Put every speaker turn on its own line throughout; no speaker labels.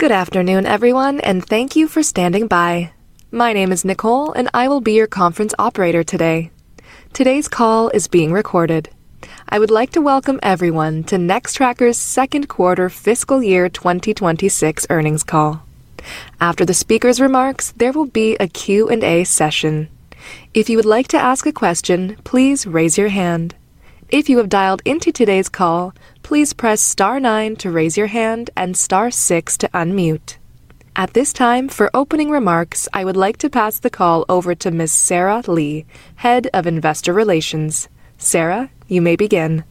Good afternoon, everyone, and thank you for standing by. My name is Nicole, and I will be your conference operator today. Today's call is being recorded. I would like to welcome everyone to Nextracker's second quarter fiscal year 2026 earnings call. After the speaker's remarks, there will be a Q&A session. If you would like to ask a question, please raise your hand. If you have dialed into today's call, please press star nine to raise your hand and star six to unmute. At this time, for opening remarks, I would like to pass the call over to Ms. Sarah Lee, Head of Investor Relations. Sarah, you may begin.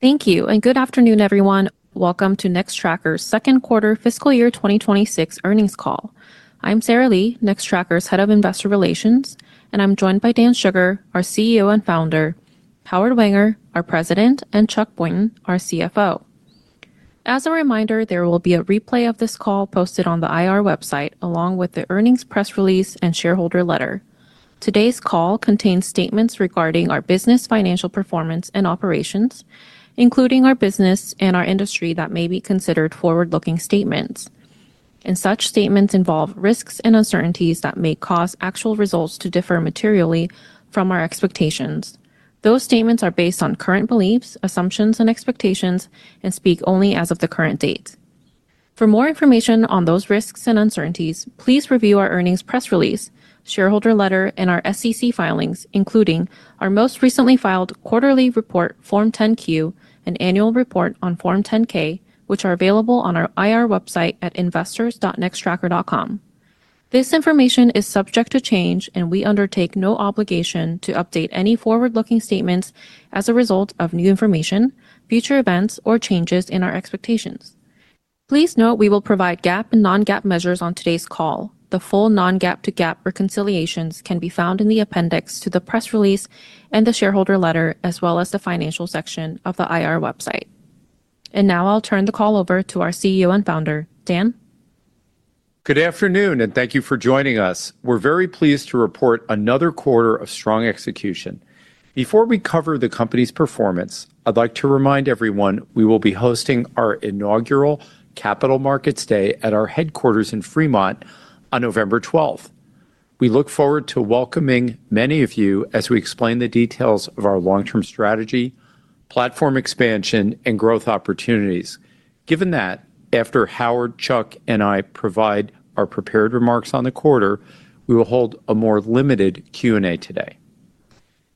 Thank you, and good afternoon, everyone. Welcome to Nextracker's second quarter fiscal year 2026 earnings call. I'm Sarah Lee, Nextracker's Head of Investor Relations, and I'm joined by Dan Shugar, our CEO and founder, Howard Wenger, our President, and Chuck Boynton, our CFO. As a reminder, there will be a replay of this call posted on the IR website, along with the earnings press release and shareholder letter. Today's call contains statements regarding our business, financial performance, and operations, including our business and our industry that may be considered forward-looking statements. Such statements involve risks and uncertainties that may cause actual results to differ materially from our expectations. Those statements are based on current beliefs, assumptions, and expectations and speak only as of the current date. For more information on those risks and uncertainties, please review our earnings press release, shareholder letter, and our SEC filings, including our most recently filed quarterly report Form 10-Q and annual report on Form 10-K, which are available on our IR website at investors.nextracker.com. This information is subject to change, and we undertake no obligation to update any forward-looking statements as a result of new information, future events, or changes in our expectations. Please note we will provide GAAP and non-GAAP measures on today's call. The full non-GAAP to GAAP reconciliations can be found in the appendix to the press release and the shareholder letter, as well as the financial section of the IR website. I'll turn the call over to our CEO and founder, Dan.
Good afternoon, and thank you for joining us. We're very pleased to report another quarter of strong execution. Before we cover the company's performance, I'd like to remind everyone we will be hosting our inaugural Capital Markets Day at our headquarters in Fremont on November 12. We look forward to welcoming many of you as we explain the details of our long-term strategy, platform expansion, and growth opportunities. Given that, after Howard, Chuck, and I provide our prepared remarks on the quarter, we will hold a more limited Q&A today.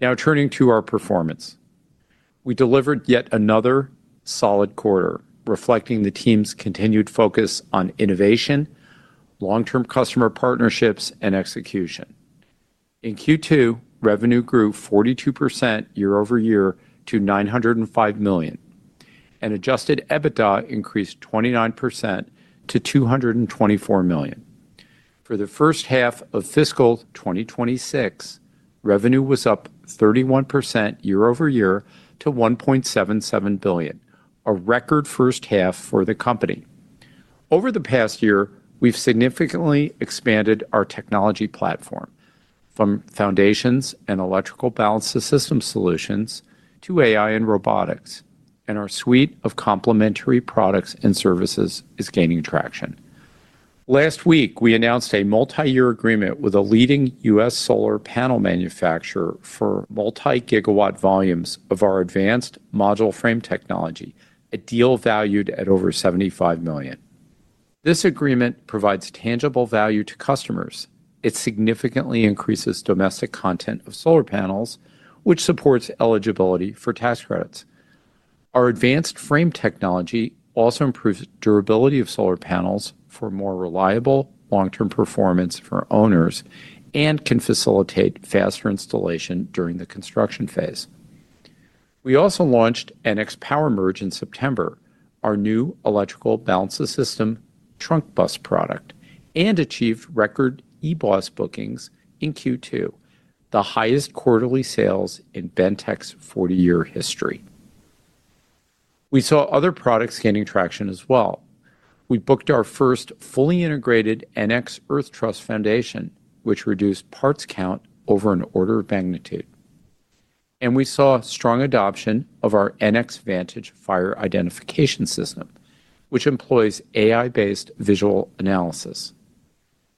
Now, turning to our performance, we delivered yet another solid quarter, reflecting the team's continued focus on innovation, long-term customer partnerships, and execution. In Q2, revenue grew 42% year-over-year to $905 million, and adjusted EBITDA increased 29% to $224 million. For the first half of fiscal 2026, revenue was up 31% year-over-year to $1.77 billion, a record first half for the company. Over the past year, we've significantly expanded our technology platform from foundations and electrical balance of systems solutions to AI and robotics, and our suite of complementary products and services is gaining traction. Last week, we announced a multi-year agreement with a leading U.S. solar panel manufacturer for multi-gigawatt volumes of our advanced module frame technology, a deal valued at over $75 million. This agreement provides tangible value to customers. It significantly increases domestic content of solar panels, which supports eligibility for tax credits. Our advanced frame technology also improves durability of solar panels for more reliable long-term performance for owners and can facilitate faster installation during the construction phase. We also launched an XPower Merge in September, our new electrical balance of system trunk bus product, and achieved record e-bus bookings in Q2, the highest quarterly sales in Bentek's 40-year history. We saw other products gaining traction as well. We booked our first fully integrated NX Earth Trust Foundation, which reduced parts count over an order of magnitude. We saw strong adoption of our NX Vantage Fire Identification System, which employs AI-based visual analysis.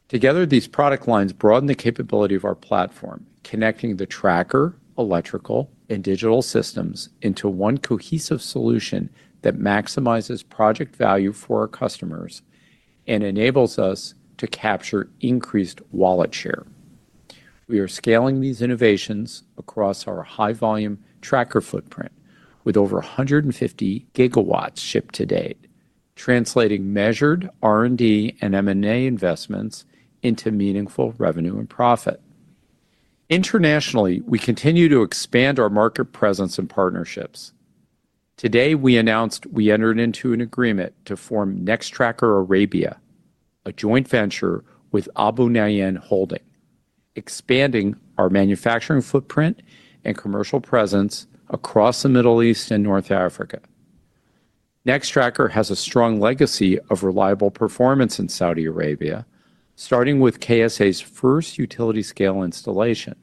Together, these product lines broaden the capability of our platform, connecting the tracker, electrical, and digital systems into one cohesive solution that maximizes project value for our customers and enables us to capture increased wallet share. We are scaling these innovations across our high-volume tracker footprint, with over 150 GW shipped to date, translating measured R&D and M&A investments into meaningful revenue and profit. Internationally, we continue to expand our market presence and partnerships. Today, we announced we entered into an agreement to form Nextracker Arabia, a joint venture with Abu Nahyan Holding, expanding our manufacturing footprint and commercial presence across the Middle East and North Africa. Nextracker has a strong legacy of reliable performance in Saudi Arabia, starting with KSA's first utility-scale installation,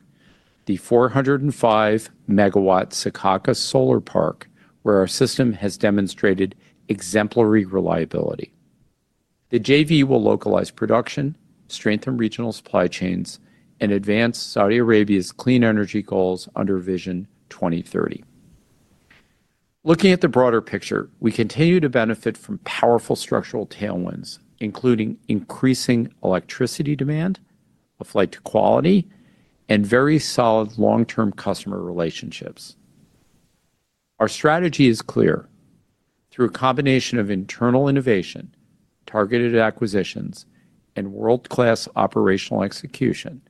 the 405-MW Sakaka Solar Park, where our system has demonstrated exemplary reliability. The JV will localize production, strengthen regional supply chains, and advance Saudi Arabia's clean energy goals under Vision 2030. Looking at the broader picture, we continue to benefit from powerful structural tailwinds, including increasing electricity demand, a flight to quality, and very solid long-term customer relationships. Our strategy is clear. Through a combination of internal innovation, targeted acquisitions, and world-class operational execution,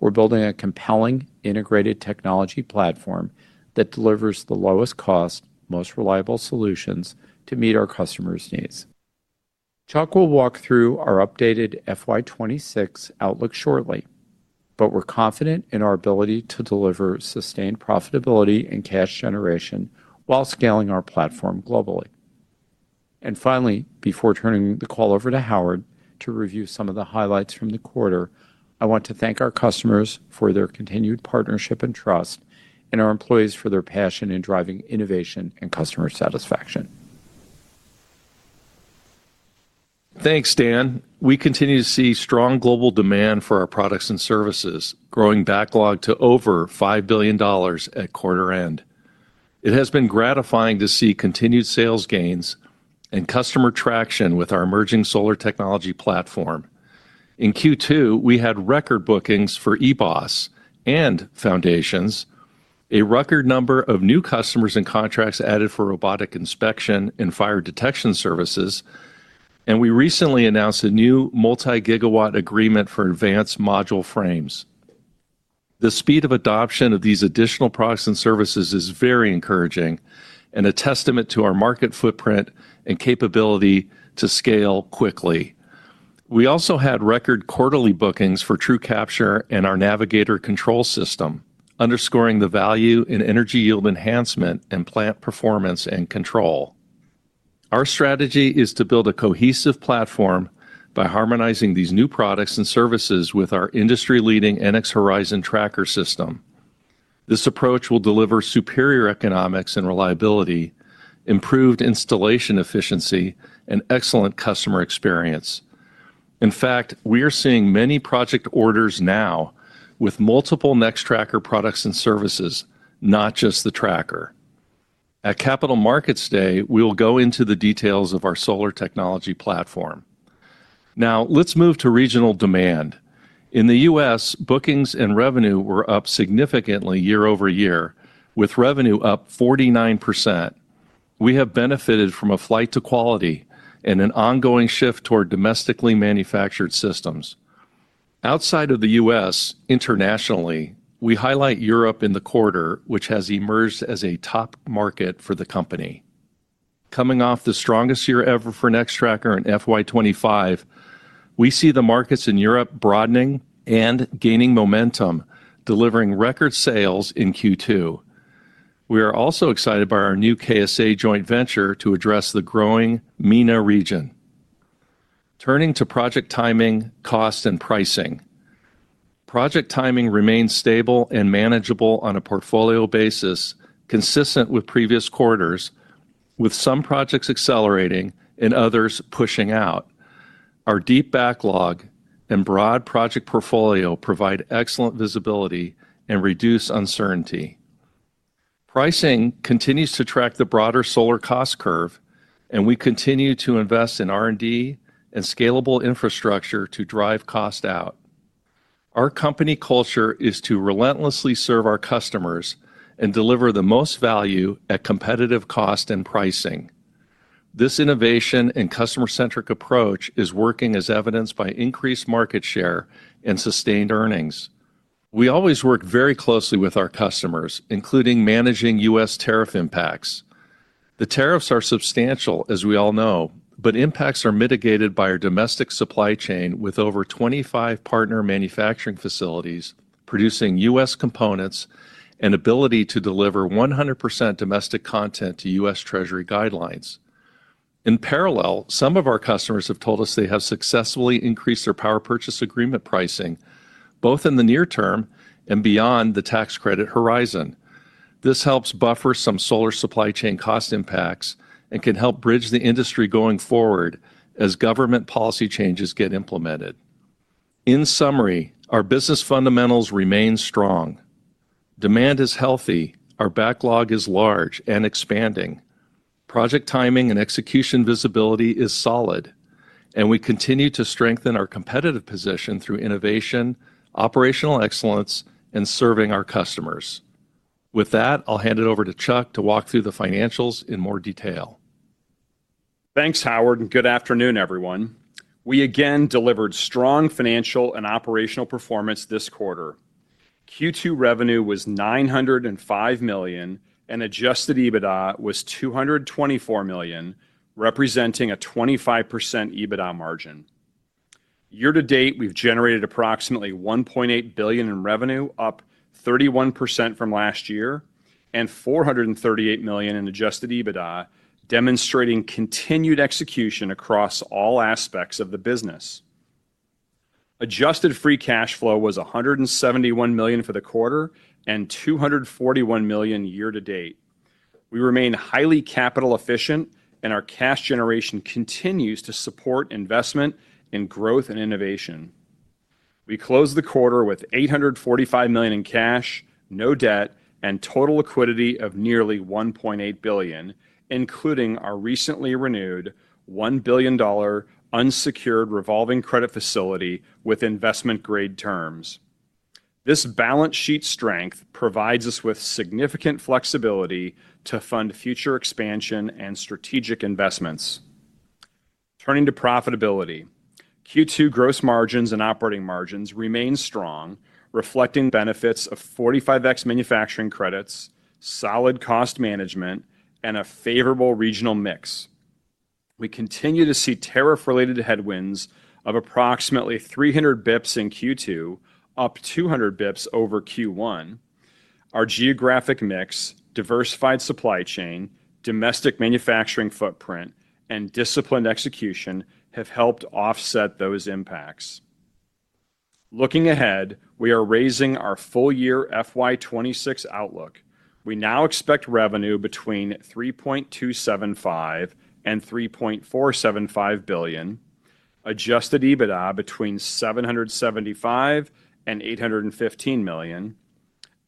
we're building a compelling integrated technology platform that delivers the lowest cost, most reliable solutions to meet our customers' needs. Chuck will walk through our updated FY 2026 outlook shortly, but we're confident in our ability to deliver sustained profitability and cash generation while scaling our platform globally. Finally, before turning the call over to Howard to review some of the highlights from the quarter, I want to thank our customers for their continued partnership and trust, and our employees for their passion in driving innovation and customer satisfaction.
Thanks, Dan. We continue to see strong global demand for our products and services, growing backlog to over $5 billion at quarter end. It has been gratifying to see continued sales gains and customer traction with our emerging solar technology platform. In Q2, we had record bookings for e-bus and foundations, a record number of new customers and contracts added for robotic inspection and fire detection services, and we recently announced a new multi-gigawatt agreement for advanced module frames. The speed of adoption of these additional products and services is very encouraging and a testament to our market footprint and capability to scale quickly. We also had record quarterly bookings for TrueCapture and our Navigator control system, underscoring the value in energy yield enhancement and plant performance and control. Our strategy is to build a cohesive platform by harmonizing these new products and services with our industry-leading NX Horizon tracker system. This approach will deliver superior economics and reliability, improved installation efficiency, and excellent customer experience. In fact, we are seeing many project orders now with multiple Nextracker products and services, not just the tracker. At Capital Markets Day, we'll go into the details of our solar technology platform. Now, let's move to regional demand. In the U.S., bookings and revenue were up significantly year-over-year, with revenue up 49%. We have benefited from a flight to quality and an ongoing shift toward domestically manufactured systems. Outside of the U.S., internationally, we highlight Europe in the quarter, which has emerged as a top market for the company. Coming off the strongest year ever for Nextracker in 2025, we see the markets in Europe broadening and gaining momentum, delivering record sales in Q2. We are also excited by our new KSA joint venture to address the growing MENA region. Turning to project timing, cost, and pricing. Project timing remains stable and manageable on a portfolio basis, consistent with previous quarters, with some projects accelerating and others pushing out. Our deep backlog and broad project portfolio provide excellent visibility and reduce uncertainty. Pricing continues to track the broader solar cost curve, and we continue to invest in R&D and scalable infrastructure to drive cost out. Our company culture is to relentlessly serve our customers and deliver the most value at competitive cost and pricing. This innovation and customer-centric approach is working as evidenced by increased market share and sustained earnings. We always work very closely with our customers, including managing U.S. tariff impacts. The tariffs are substantial, as we all know, but impacts are mitigated by our domestic supply chain with over 25 partner manufacturing facilities producing U.S. components and ability to deliver 100% domestic content to U.S. Treasury guidelines. In parallel, some of our customers have told us they have successfully increased their power purchase agreement pricing, both in the near term and beyond the tax credit horizon. This helps buffer some solar supply chain cost impacts and can help bridge the industry going forward as government policy changes get implemented. In summary, our business fundamentals remain strong. Demand is healthy, our backlog is large and expanding, project timing and execution visibility is solid, and we continue to strengthen our competitive position through innovation, operational excellence, and serving our customers. With that, I'll hand it over to Chuck to walk through the financials in more detail.
Thanks, Howard, and good afternoon, everyone. We again delivered strong financial and operational performance this quarter. Q2 revenue was $905 million, and adjusted EBITDA was $224 million, representing a 25% EBITDA margin. Year to date, we've generated approximately $1.8 billion in revenue, up 31% from last year, and $438 million in adjusted EBITDA, demonstrating continued execution across all aspects of the business. Adjusted free cash flow was $171 million for the quarter and $241 million year to date. We remain highly capital efficient, and our cash generation continues to support investment in growth and innovation. We closed the quarter with $845 million in cash, no debt, and total liquidity of nearly $1.8 billion, including our recently renewed $1 billion unsecured revolving credit facility with investment-grade terms. This balance sheet strength provides us with significant flexibility to fund future expansion and strategic investments. Turning to profitability, Q2 gross margins and operating margins remain strong, reflecting benefits of 45X manufacturing credits, solid cost management, and a favorable regional mix. We continue to see tariff-related headwinds of approximately 300 bps in Q2, up 200 bps over Q1. Our geographic mix, diversified supply chain, domestic manufacturing footprint, and disciplined execution have helped offset those impacts. Looking ahead, we are raising our full-year FY 2026 outlook. We now expect revenue between $3.275 billion and $3.475 billion, adjusted EBITDA between $775million and $815 million,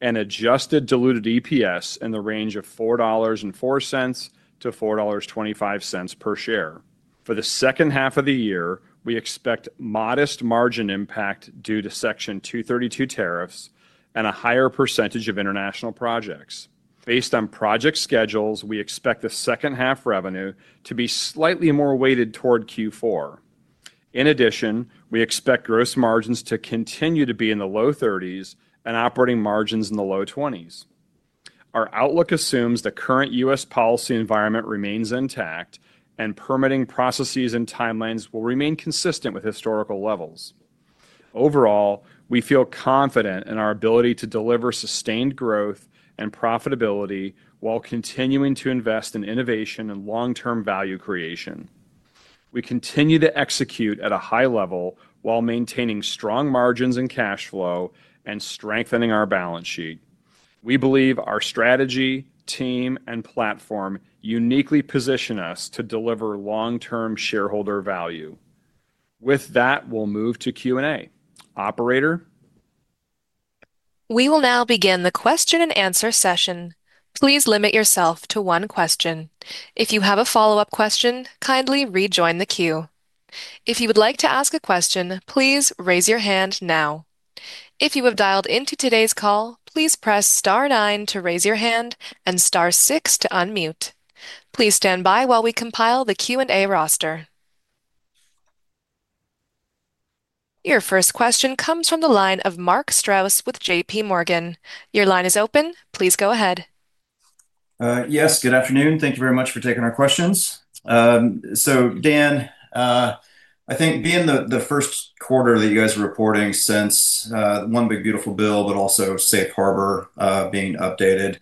and adjusted diluted EPS in the range of $4.04-$4.25/share. For the second half of the year, we expect modest margin impact due to Section 232 tariffs and a higher percentage of international projects. Based on project schedules, we expect the second half revenue to be slightly more weighted toward Q4. In addition, we expect gross margins to continue to be in the low 30% and operating margins in the low 20%. Our outlook assumes the current U.S. policy environment remains intact, and permitting processes and timelines will remain consistent with historical levels. Overall, we feel confident in our ability to deliver sustained growth and profitability while continuing to invest in innovation and long-term value creation. We continue to execute at a high level while maintaining strong margins and cash flow and strengthening our balance sheet. We believe our strategy, team, and platform uniquely position us to deliver long-term shareholder value. With that, we'll move to Q&A. Operator.
We will now begin the question and answer session. Please limit yourself to one question. If you have a follow-up question, kindly rejoin the queue. If you would like to ask a question, please raise your hand now. If you have dialed into today's call, please press star nine to raise your hand and star six to unmute. Please stand by while we compile the Q&A roster. Your first question comes from the line of Mark Strouse with JPMorgan. Your line is open. Please go ahead.
Yes, good afternoon. Thank you very much for taking our questions. Dan, I think being the first quarter that you guys are reporting since One Big Beautiful Bill, but also safe harbor being updated,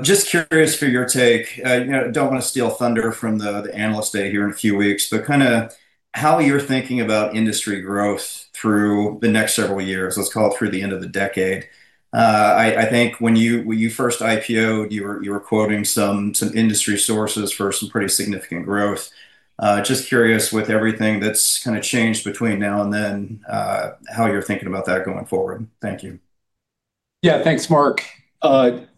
just curious for your take. I don't want to steal thunder from the analysts day here in a few weeks, but kind of how you're thinking about industry growth through the next several years, let's call it through the end of the decade. I think when you first IPO'ed, you were quoting some industry sources for some pretty significant growth. Just curious with everything that's kind of changed between now and then, how you're thinking about that going forward? Thank you.
Yeah, thanks, Mark.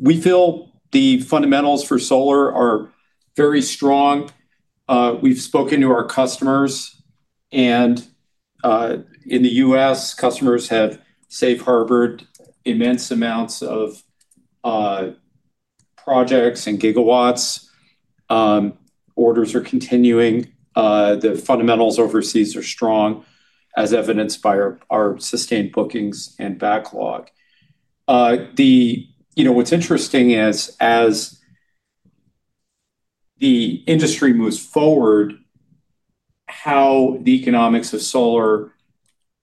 We feel the fundamentals for solar are very strong. We've spoken to our customers, and in the U.S., customers have safe-harbored immense amounts of projects and gigawatts. Orders are continuing. The fundamentals overseas are strong, as evidenced by our sustained bookings and backlog. What's interesting is, as the industry moves forward, how the economics of solar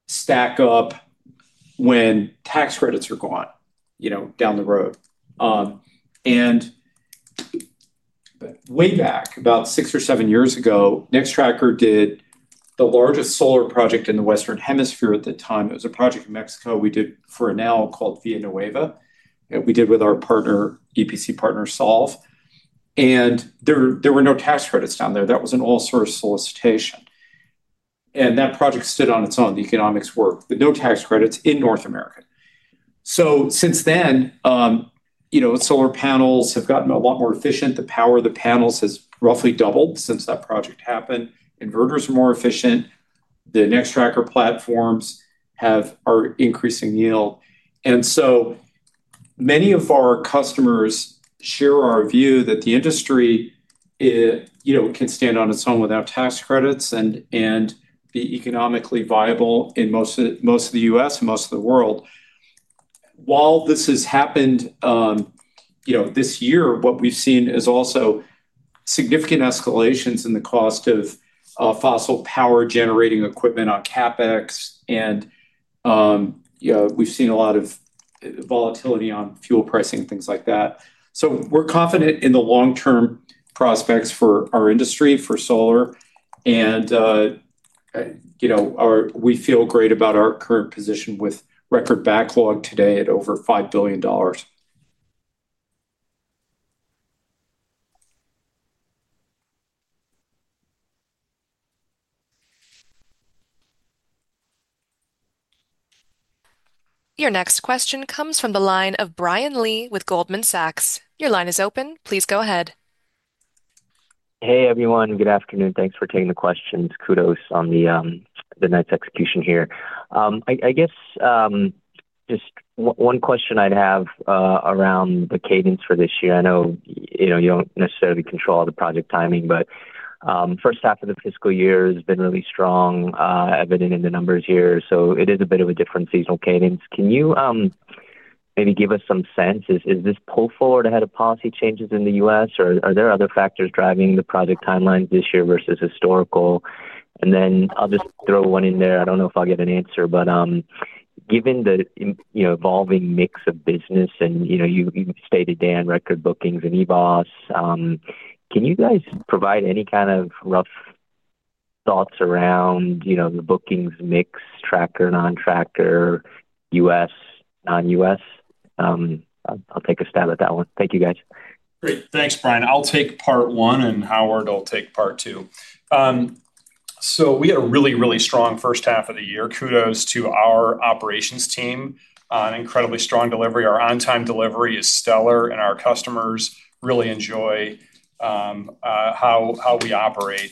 stack up when tax credits are gone down the road. Way back about six or seven years ago, Nextracker did the largest solar project in the Western Hemisphere at the time. It was a project in Mexico we did for a now called Via Nueva. We did with our EPC partner, Solve. There were no tax credits down there. That was an all-source solicitation. That project stood on its own. The economics worked. No tax credits in North America. Since then, solar panels have gotten a lot more efficient. The power of the panels has roughly doubled since that project happened. Inverters are more efficient. The Nextracker platforms have increasing yield. Many of our customers share our view that the industry can stand on its own without tax credits and be economically viable in most of the U.S. and most of the world. While this has happened this year, what we've seen is also significant escalations in the cost of fossil power generating equipment on CapEx. We've seen a lot of volatility on fuel pricing and things like that. We're confident in the long-term prospects for our industry for solar. We feel great about our current position with record backlog today at over $5 billion.
Your next question comes from the line of Brian Lee with Goldman Sachs. Your line is open. Please go ahead.
Hey, everyone. Good afternoon. Thanks for taking the questions. Kudos on the nice execution here. I guess just one question I'd have around the cadence for this year. I know you don't necessarily control the project timing, but the first half of the fiscal year has been really strong, evident in the numbers here. It is a bit of a different seasonal cadence. Can you maybe give us some sense? Is this pull forward ahead of policy changes in the U.S., or are there other factors driving the project timelines this year vs historical? I'll just throw one in there. I don't know if I'll get an answer, but given the evolving mix of business and you stated, Dan, record bookings and e-bus, can you guys provide any kind of rough thoughts around the bookings mix, tracker and non-tracker, U.S., non-U.S.? I'll take a stab at that one. Thank you, guys.
Great. Thanks, Brian. I'll take part one, and Howard, I'll take part two. We had a really, really strong first half of the year. Kudos to our operations team on incredibly strong delivery. Our on-time delivery is stellar, and our customers really enjoy how we operate.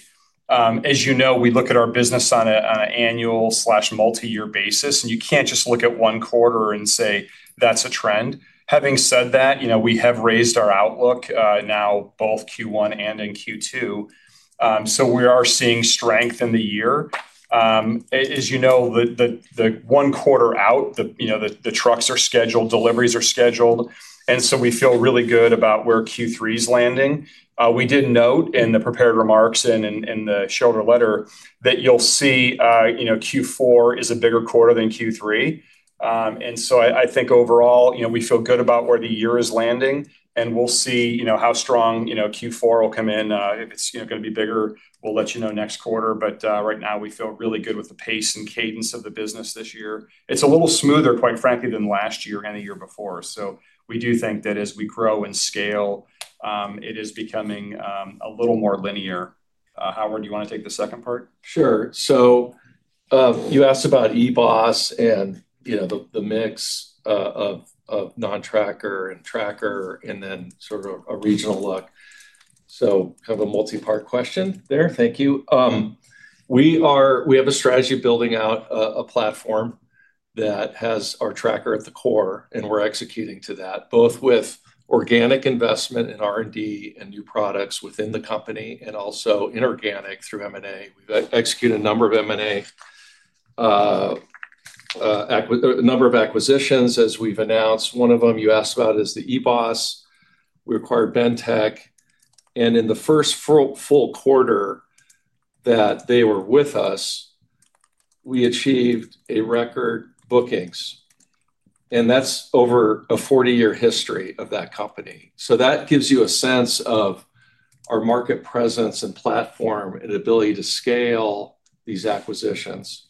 As you know, we look at our business on an annual/multi-year basis, and you can't just look at one quarter and say that's a trend. Having said that, we have raised our outlook now both Q1 and in Q2. We are seeing strength in the year. As you know, the one quarter out, the trucks are scheduled, deliveries are scheduled. We feel really good about where Q3 is landing. We did note in the prepared remarks and the shareholder letter that you'll see Q4 is a bigger quarter than Q3. I think overall, we feel good about where the year is landing, and we'll see how strong Q4 will come in. If it's going to be bigger, we'll let you know next quarter. Right now, we feel really good with the pace and cadence of the business this year. It's a little smoother, quite frankly, than last year and the year before. We do think that as we grow and scale, it is becoming a little more linear. Howard, do you want to take the second part?
Sure. You asked about e-bus and the mix of non-tracker and tracker, and then sort of a regional look. Kind of a multi-part question there. Thank you. We have a strategy of building out a platform that has our tracker at the core, and we're executing to that, both with organic investment in R&D and new products within the company, and also inorganic through M&A. We've executed a number of M&A, a number of acquisitions, as we've announced. One of them you asked about is the e-bus. We acquired Bentech, and in the first full quarter that they were with us, we achieved record bookings. That's over a 40-year history of that company. That gives you a sense of our market presence and platform and ability to scale these acquisitions.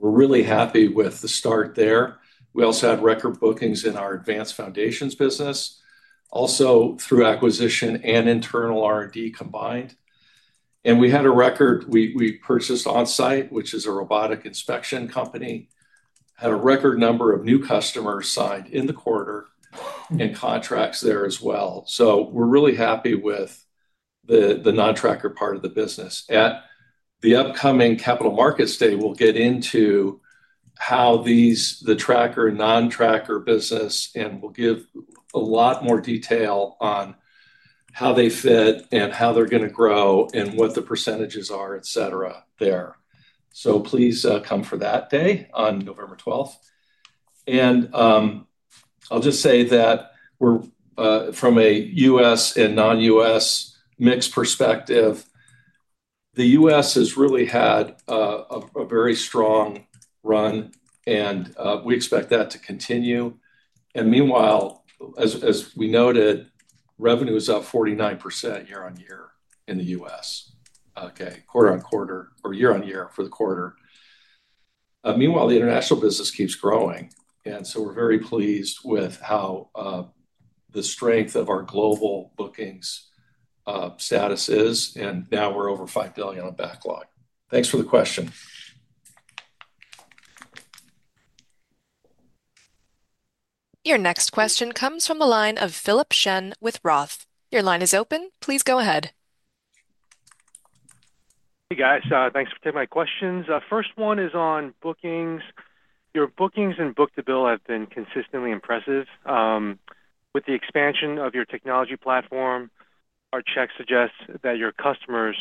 We're really happy with the start there. We also had record bookings in our advanced foundations business, also through acquisition and internal R&D combined. We purchased On-Site, which is a robotic inspection company, and had a record number of new customers signed in the quarter and contracts there as well. We're really happy with the non-tracker part of the business. At the upcoming Capital Markets Day, we'll get into how the tracker and non-tracker business fit, and we'll give a lot more detail on how they fit and how they're going to grow and what the percentages are, etc., there. Please come for that day on November 12th. I'll just say that from a U.S. and non-U.S. mix perspective, the U.S. has really had a very strong run, and we expect that to continue. Meanwhile, as we noted, revenue is up 49% year-on-year in the U.S., quarter-on-quarter or year-on-year for the quarter. Meanwhile, the international business keeps growing. We're very pleased with how the strength of our global bookings status is, and now we're over $5 billion on backlog. Thanks for the question.
Your next question comes from the line of Philip Shen with Roth. Your line is open. Please go ahead.
Hey, guys. Thanks for taking my questions. First one is on bookings. Your bookings and book-to-bill have been consistently impressive. With the expansion of your technology platform, our check suggests that your customers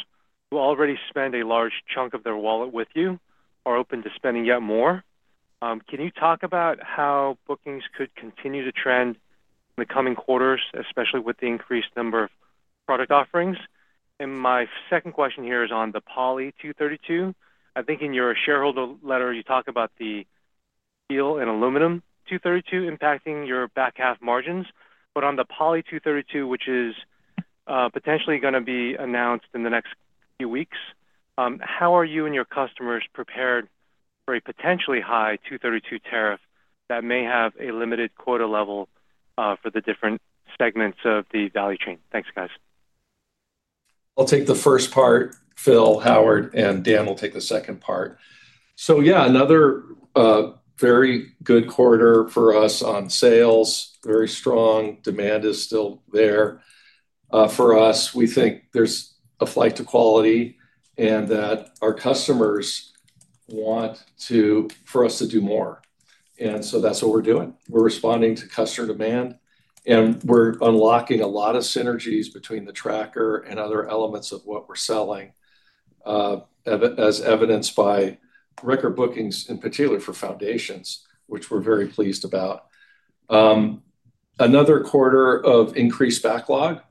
who already spend a large chunk of their wallet with you are open to spending yet more. Can you talk about how bookings could continue to trend in the coming quarters, especially with the increased number of product offerings? My second question here is on the Poly 232. I think in your shareholder letter, you talk about the steel and aluminum 232 impacting your back half margins. On the Poly 232, which is potentially going to be announced in the next few weeks, how are you and your customers prepared for a potentially high 232 tariff that may have a limited quota level for the different segments of the value chain? Thanks, guys.
I'll take the first part, Phil. Howard and Dan will take the second part. Yeah, another very good quarter for us on sales. Very strong demand is still there. For us, we think there's a flight to quality and that our customers want for us to do more. That's what we're doing. We're responding to customer demand, and we're unlocking a lot of synergies between the tracker and other elements of what we're selling, as evidenced by record bookings, in particular for foundations, which we're very pleased about. Another quarter of increased backlog.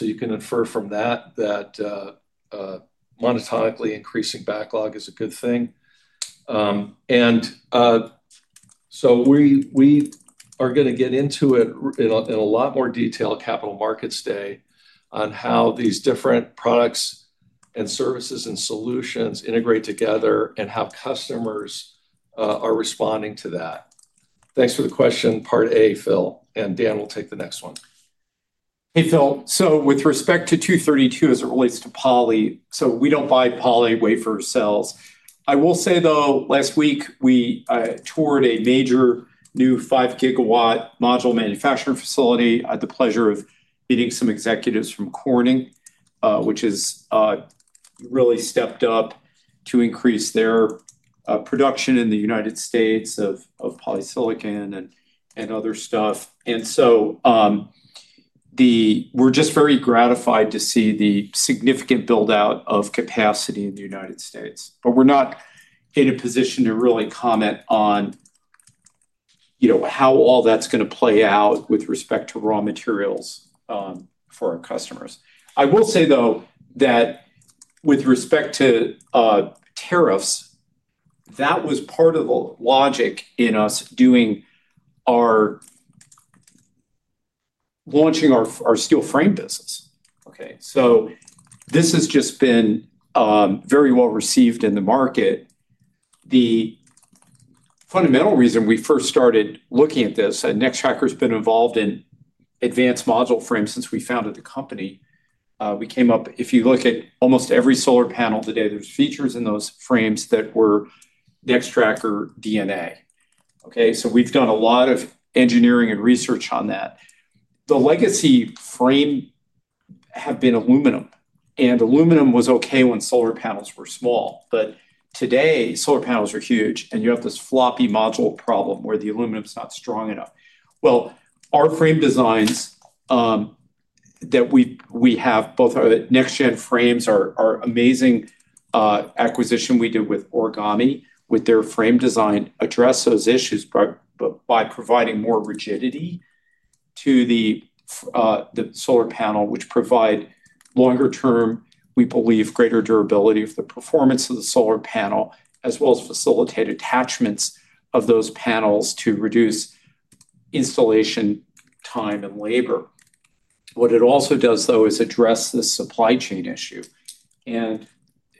You can infer from that that monotonically increasing backlog is a good thing. We are going to get into it in a lot more detail at Capital Markets Day on how these different products and services and solutions integrate together and how customers are responding to that. Thanks for the question, part A, Phil. Dan will take the next one.
Hey, Phil. With respect to 232 as it relates to Poly, we don't buy Poly; we wait for sales. Last week we toured a major new 5-GW module manufacturing facility. I had the pleasure of meeting some executives from Corning, which has really stepped up to increase their production in the United States of polysilicon and other stuff. We're just very gratified to see the significant build-out of capacity in the United States. We're not in a position to really comment on how all that's going to play out with respect to raw materials for our customers. With respect to tariffs, that was part of the logic in us launching our steel frame business. This has just been very well received in the market. The fundamental reason we first started looking at this, and Nextracker's been involved in advanced module frames since we founded the company, we came up, if you look at almost every solar panel today, there's features in those frames that were Nextracker DNA. We've done a lot of engineering and research on that. The legacy frames have been aluminum, and aluminum was okay when solar panels were small. Today, solar panels are huge, and you have this floppy module problem where the aluminum's not strong enough. Our frame designs that we have, both our next-gen frames, are amazing. Acquisition we did with Origami, with their frame design, address those issues by providing more rigidity to the solar panel, which provides longer-term, we believe, greater durability of the performance of the solar panel, as well as facilitate attachments of those panels to reduce installation time and labor. What it also does is address this supply chain issue.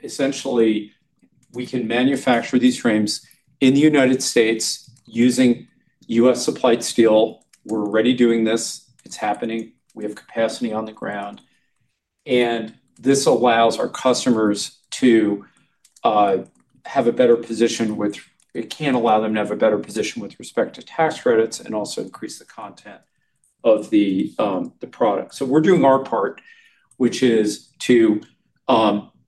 Essentially, we can manufacture these frames in the United States using U.S.-supplied steel. We're already doing this. It's happening. We have capacity on the ground. This allows our customers to have a better position with, it can allow them to have a better position with respect to tax credits and also increase the content of the product. We're doing our part, which is to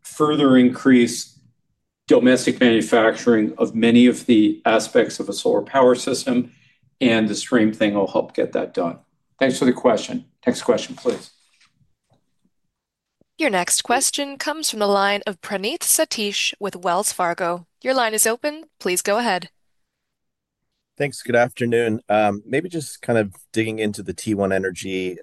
further increase domestic manufacturing of many of the aspects of a solar power system, and the stream thing will help get that done. Thanks for the question. Next question, please.
Your next question comes from the line of Praneeth Satish with Wells Fargo. Your line is open. Please go ahead.
Thanks. Good afternoon. Maybe just kind of digging into the T1 Energy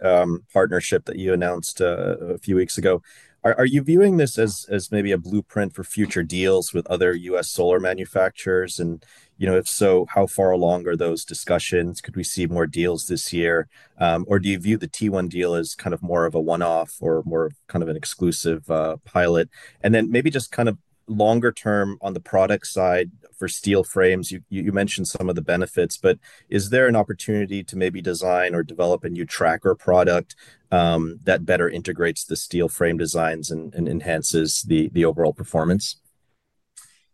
partnership that you announced a few weeks ago. Are you viewing this as maybe a blueprint for future deals with other U.S. solar manufacturers? If so, how far along are those discussions? Could we see more deals this year? Do you view the T1 deal as kind of more of a one-off or more of kind of an exclusive pilot? Maybe just kind of longer term on the product side for steel frames, you mentioned some of the benefits, but is there an opportunity to maybe design or develop a new tracker product that better integrates the steel frame designs and enhances the overall performance?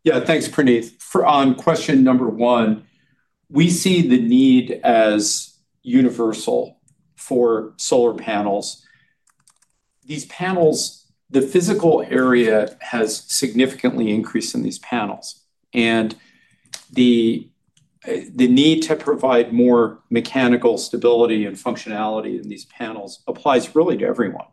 Yeah, thanks, Praneeth. On question number one, we see the need as universal for solar panels. These panels, the physical area has significantly increased in these panels, and the need to provide more mechanical stability and functionality in these panels applies really to everyone.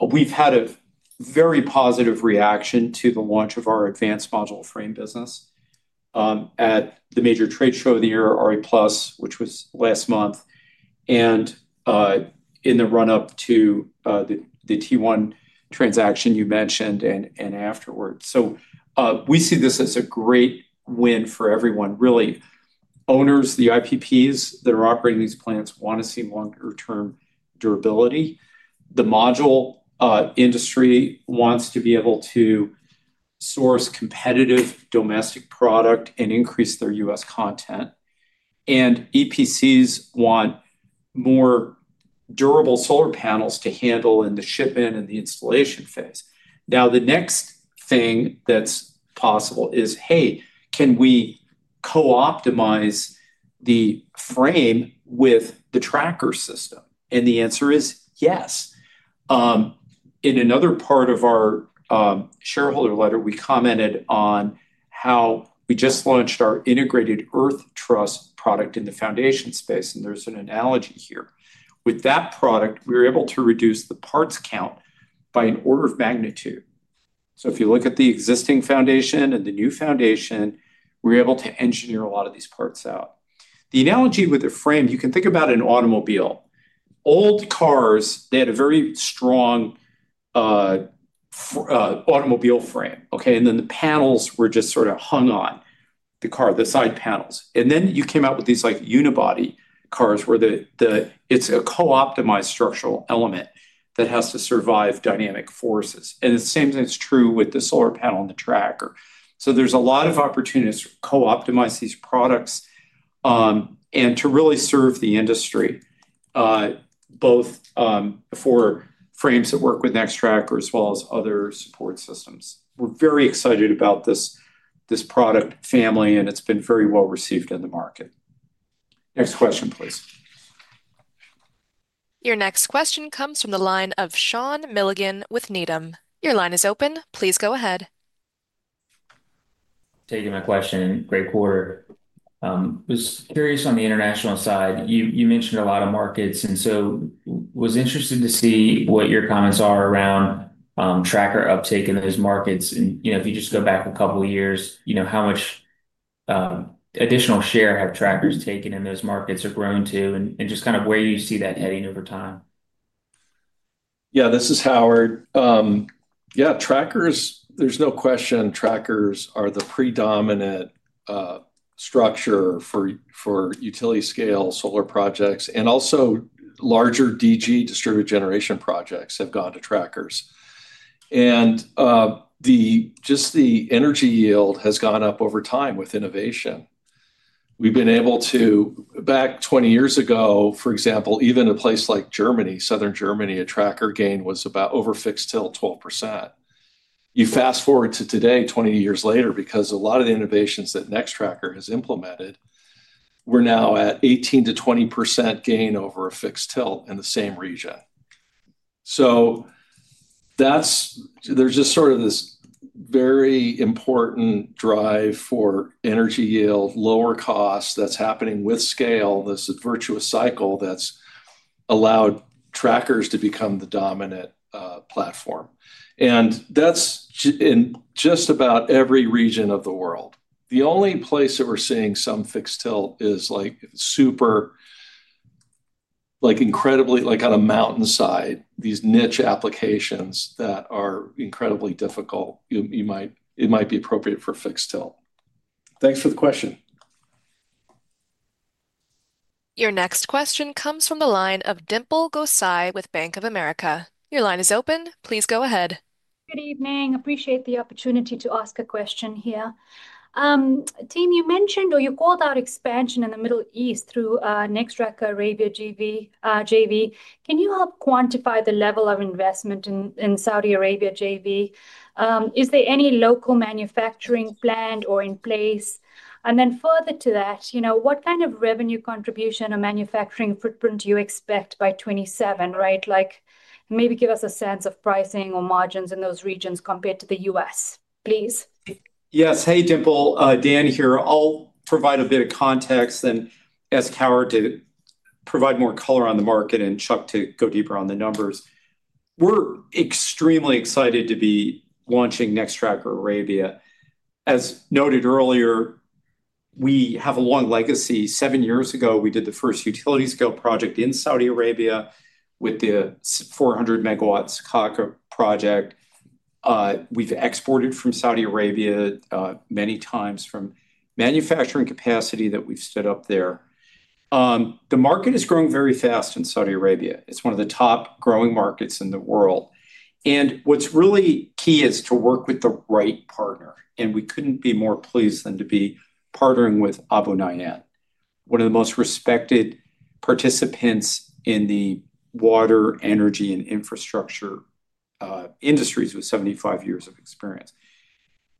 We've had a very positive reaction to the launch of our advanced module frame business at the major trade show of the year, RE+, which was last month, and in the run-up to the T1 transaction you mentioned and afterward. We see this as a great win for everyone. Really, owners, the IPPs that are operating these plants want to see longer-term durability. The module industry wants to be able to source competitive domestic product and increase their U.S. content. EPCs want more durable solar panels to handle in the shipment and the installation phase. The next thing that's possible is, hey, can we co-optimize the frame with the tracker system? The answer is yes. In another part of our shareholder letter, we commented on how we just launched our integrated NX Earth Trust Foundation product in the foundation space, and there's an analogy here. With that product, we were able to reduce the parts count by an order of magnitude. If you look at the existing foundation and the new foundation, we were able to engineer a lot of these parts out. The analogy with the frame, you can think about an automobile. Old cars, they had a very strong automobile frame, okay? The panels were just sort of hung on the car, the side panels. Then you came out with these like unibody cars where it's a co-optimized structural element that has to survive dynamic forces. The same thing is true with the solar panel and the tracker. There are a lot of opportunities to co-optimize these products and to really serve the industry, both for frames that work with Nextracker as well as other support systems. We're very excited about this product family, and it's been very well received in the market. Next question, please.
Your next question comes from the line of Sean Milligan with Needham. Your line is open. Please go ahead.
Taking my question, great quarter. I was curious on the international side. You mentioned a lot of markets, and I was interested to see what your comments are around tracker uptake in those markets. If you just go back a couple of years, how much additional share have trackers taken in those markets or grown to, and just kind of where you see that heading over time?
Yeah, this is Howard. Yeah, trackers, there's no question, trackers are the predominant structure for utility-scale solar projects. Also, larger DG, distributed generation projects, have gone to trackers. Just the energy yield has gone up over time with innovation. We've been able to, back 20 years ago, for example, even in a place like Germany, southern Germany, a tracker gain was about over fixed tilt 12%. You fast forward to today, 20 years later, because a lot of the innovations that Nextracker has implemented, we're now at 18%-20% gain over a fixed tilt in the same region. There is just sort of this very important drive for energy yield, lower cost that's happening with scale, this virtuous cycle that's allowed trackers to become the dominant platform. That's in just about every region of the world. The only place that we're seeing some fixed tilt is like if it's super, like incredibly, like on a mountainside, these niche applications that are incredibly difficult, it might be appropriate for fixed tilt. Thanks for the question.
Your next question comes from the line of Dimple Gosai with Bank of America. Your line is open. Please go ahead.
Good evening. Appreciate the opportunity to ask a question here. Team, you mentioned or you called out expansion in the Middle East through Nextracker Arabia JV. Can you help quantify the level of investment in Saudi Arabia JV? Is there any local manufacturing planned or in place? Further to that, you know what kind of revenue contribution or manufacturing footprint do you expect by 2027, right? Like maybe give us a sense of pricing or margins in those regions compared to the U.S., please.
Yes. Hey, Dimple. Dan here. I'll provide a bit of context and ask Howard to provide more color on the market and Chuck to go deeper on the numbers. We're extremely excited to be launching Nextracker Arabia. As noted earlier, we have a long legacy. Seven years ago, we did the first utility-scale project in Saudi Arabia with the 400 MW Sakaka project. We've exported from Saudi Arabia many times from manufacturing capacity that we've stood up there. The market is growing very fast in Saudi Arabia. It's one of the top growing markets in the world. What's really key is to work with the right partner. We couldn't be more pleased than to be partnering with Abu Nahyan, one of the most respected participants in the water, energy, and infrastructure industries with 75 years of experience.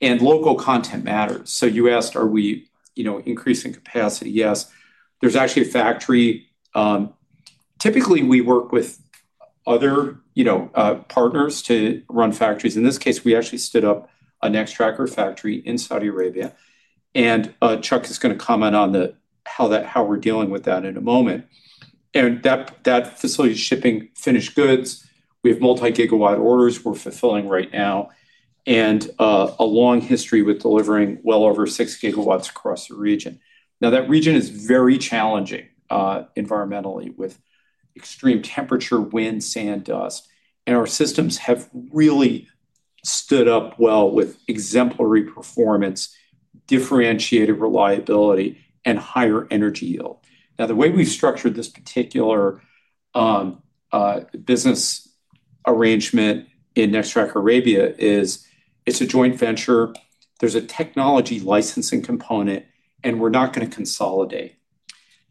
Local content matters. You asked, are we increasing capacity? Yes. There's actually a factory. Typically, we work with other partners to run factories. In this case, we actually stood up a Nextracker factory in Saudi Arabia. Chuck is going to comment on how we're dealing with that in a moment. That facility is shipping finished goods. We have multi-gigawatt orders we're fulfilling right now and a long history with delivering well over six gigawatts across the region. That region is very challenging environmentally with extreme temperature, wind, sand, dust. Our systems have really stood up well with exemplary performance, differentiated reliability, and higher energy yield. The way we've structured this particular business arrangement in Nextracker Arabia is it's a joint venture. There's a technology licensing component, and we're not going to consolidate.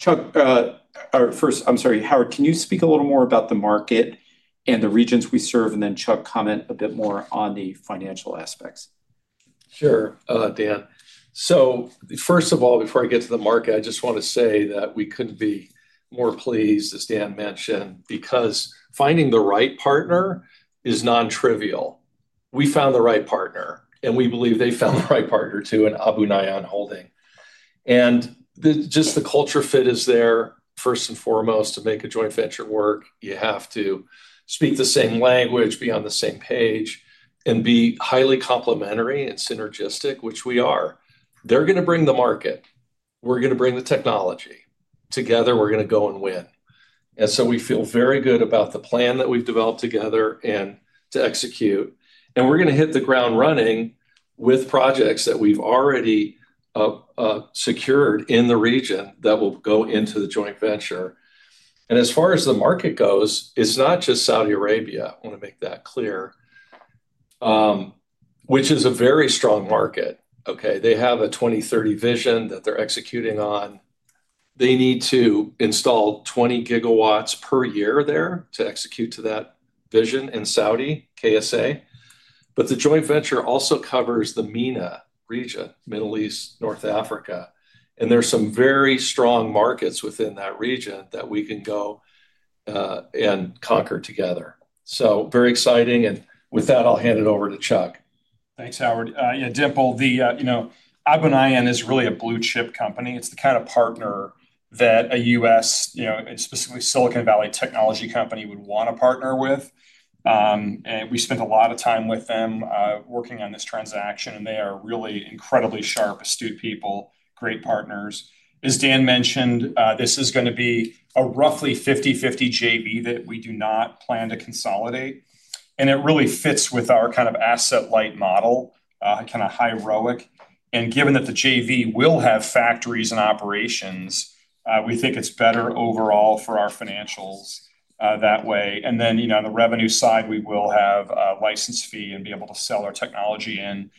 Howard, can you speak a little more about the market and the regions we serve and then Chuck comment a bit more on the financial aspects?
Sure, Dan. First of all, before I get to the market, I just want to say that we couldn't be more pleased, as Dan mentioned, because finding the right partner is non-trivial. We found the right partner, and we believe they found the right partner too in Abu Nahyan Holding. Just the culture fit is there, first and foremost. To make a joint venture work, you have to speak the same language, be on the same page, and be highly complementary and synergistic, which we are. They are going to bring the market. We are going to bring the technology. Together, we are going to go and win. We feel very good about the plan that we've developed together and to execute. We are going to hit the ground running with projects that we've already secured in the region that will go into the joint venture. As far as the market goes, it's not just Saudi Arabia. I want to make that clear, which is a very strong market. They have a Vision 2030 that they're executing on. They need to install 20 gigawatts per year there to execute to that vision in Saudi, KSA. The joint venture also covers the MENA region, Middle East, North Africa. There are some very strong markets within that region that we can go and conquer together. Very exciting. With that, I'll hand it over to Chuck.
Thanks, Howard. Yeah, Dimple, Abu Nahyan is really a blue-chip company. It's the kind of partner that a U.S., specifically Silicon Valley technology company, would want to partner with. We spent a lot of time with them working on this transaction, and they are really incredibly sharp, astute people, great partners. As Dan mentioned, this is going to be a roughly 50/50 JV that we do not plan to consolidate. It really fits with our kind of asset-light model, kind of high-rowing. Given that the JV will have factories and operations, we think it's better overall for our financials that way. On the revenue side, we will have a license fee and be able to sell our technology in.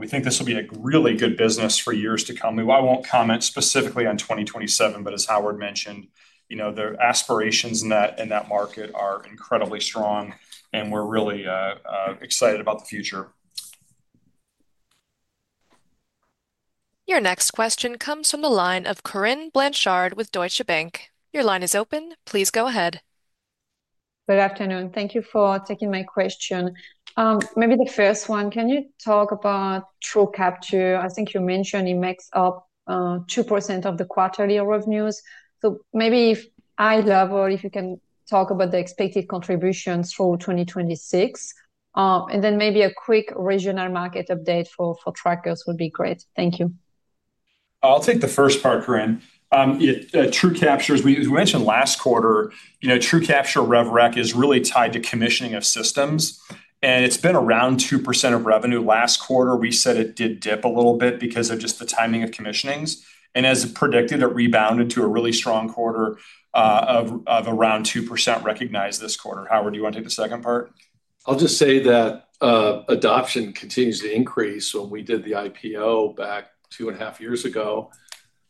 We think this will be a really good business for years to come. I won't comment specifically on 2027, but as Howard mentioned, the aspirations in that market are incredibly strong, and we're really excited about the future.
Your next question comes from the line of Corinne Blanchard with Deutsche Bank. Your line is open. Please go ahead.
Good afternoon. Thank you for taking my question. Maybe the first one, can you talk about TrueCapture? I think you mentioned it makes up 2% of the quarterly revenues. If you can talk about the expected contributions for 2026, and then maybe a quick regional market update for trackers would be great. Thank you.
I'll take the first part, Corinne. TrueCapture, as we mentioned last quarter, TrueCapture RevRec is really tied to commissioning of systems. It's been around 2% of revenue last quarter. We said it did dip a little bit because of just the timing of commissionings. As predicted, it rebounded to a really strong quarter of around 2% recognized this quarter. Howard, do you want to take the second part?
I'll just say that adoption continues to increase. When we did the IPO back two and a half years ago,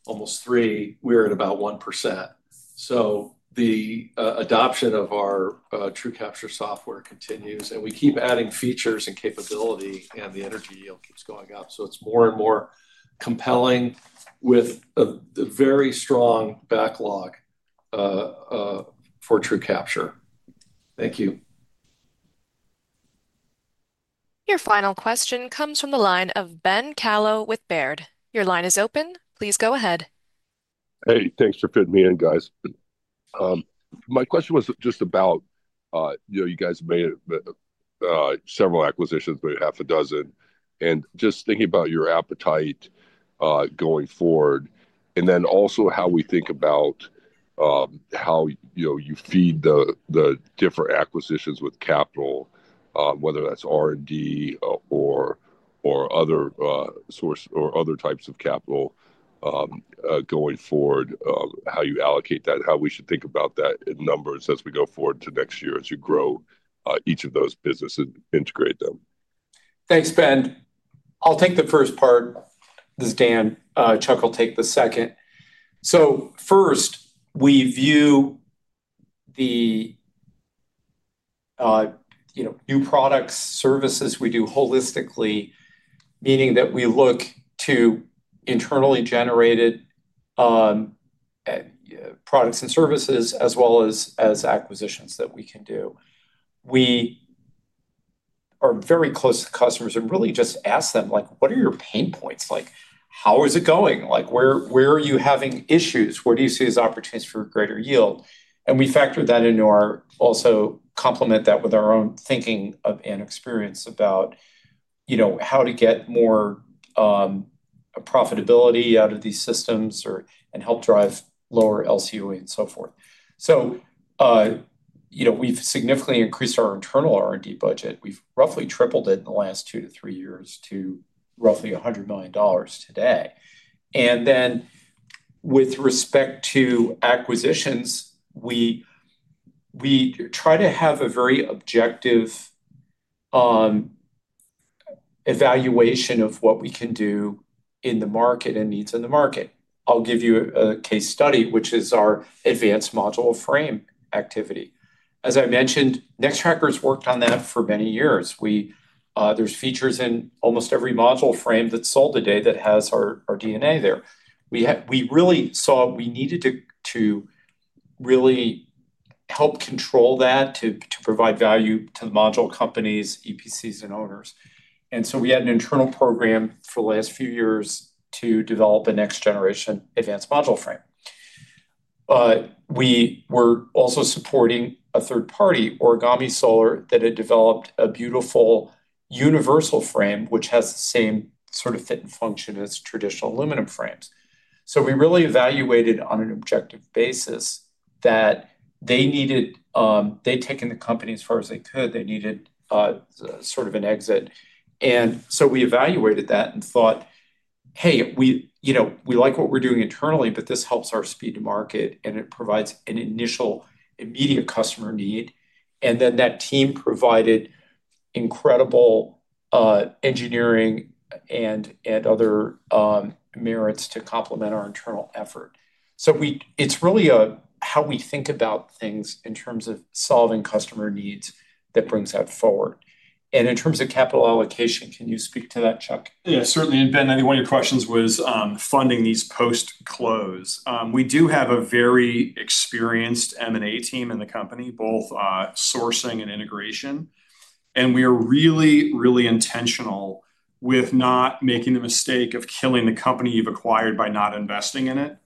almost three, we were at about 1%. The adoption of our TrueCapture yield management platform continues, and we keep adding features and capability, and the energy yield keeps going up. It is more and more compelling with a very strong backlog for TrueCapture. Thank you.
Your final question comes from the line of Ben Kallo with Baird. Your line is open. Please go ahead.
Hey, thanks for putting me in, guys. My question was just about, you guys made several acquisitions, maybe half a dozen, and just thinking about your appetite going forward, and then also how we think about how you feed the different acquisitions with capital, whether that's R&D or other types of capital going forward, how you allocate that, how we should think about that in numbers as we go forward to next year as you grow each of those businesses and integrate them.
Thanks, Ben. I'll take the first part. This is Dan. Chuck will take the second. First, we view the new products, services we do holistically, meaning that we look to internally generated products and services as well as acquisitions that we can do. We are very close to customers and really just ask them, like, what are your pain points? Like, how is it going? Like, where are you having issues? Where do you see as opportunities for greater yield? We factor that into our also complement that with our own thinking and experience about how to get more profitability out of these systems and help drive lower LCOE and so forth. We've significantly increased our internal R&D budget. We've roughly tripled it in the last two to three years to roughly $100 million today. With respect to acquisitions, we try to have a very objective evaluation of what we can do in the market and needs in the market. I'll give you a case study, which is our advanced module frame activity. As I mentioned, Nextracker's worked on that for many years. There are features in almost every module frame that's sold today that has our DNA there. We really saw we needed to really help control that to provide value to the module companies, EPCs, and owners. We had an internal program for the last few years to develop a next-generation advanced module frame. We were also supporting a third-party, Origami Solar, that had developed a beautiful universal frame, which has the same sort of fit and function as traditional aluminum frames. We really evaluated on an objective basis that they needed, they'd taken the company as far as they could. They needed sort of an exit. We evaluated that and thought, hey, we like what we're doing internally, but this helps our speed to market, and it provides an initial immediate customer need. That team provided incredible engineering and other merits to complement our internal effort. It's really how we think about things in terms of solving customer needs that brings that forward. In terms of capital allocation, can you speak to that, Chuck?
Yeah, certainly. Ben, I think one of your questions was funding these post-close. We do have a very experienced M&A team in the company, both sourcing and integration. We are really, really intentional with not making the mistake of killing the company you've acquired by not investing in it.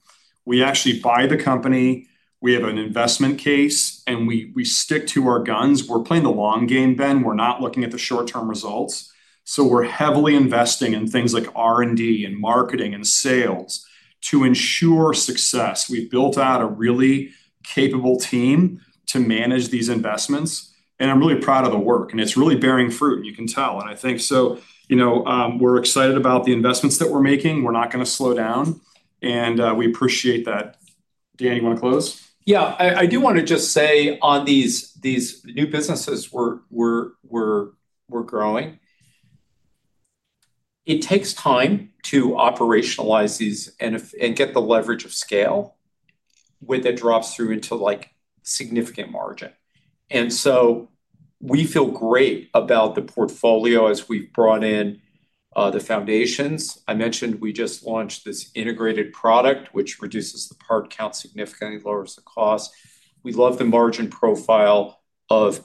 We actually buy the company, we have an investment case, and we stick to our guns. We're playing the long game, Ben. We're not looking at the short-term results. We're heavily investing in things like R&D and marketing and sales to ensure success. We've built out a really capable team to manage these investments. I'm really proud of the work, and it's really bearing fruit, and you can tell. I think so. We're excited about the investments that we're making. We're not going to slow down. We appreciate that. Dan, you want to close?
I do want to just say on these new businesses we're growing, it takes time to operationalize these and get the leverage of scale with a drop through into significant margin. We feel great about the portfolio as we've brought in the foundations. I mentioned we just launched this integrated product, which reduces the part count significantly and lowers the cost. We love the margin profile of,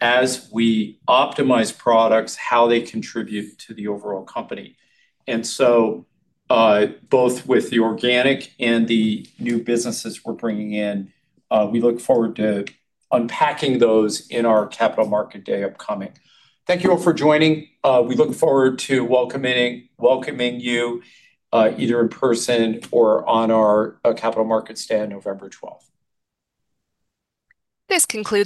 as we optimize products, how they contribute to the overall company. Both with the organic and the new businesses we're bringing in, we look forward to unpacking those in our Capital Markets Day upcoming. Thank you all for joining. We look forward to welcoming you either in person or on our Capital Markets Day on November 12th.
This concludes.